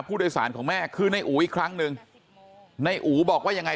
ผู้โดยสารของแม่คือในอู่อีกครั้งนึงในอู่บอกว่ายังไง